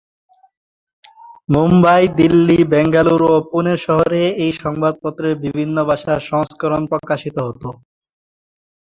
মুম্বই, দিল্লি, বেঙ্গালুরু ও পুনে শহরে এই সংবাদপত্রের বিভিন্ন ভাষার সংস্করণ প্রকাশিত হত।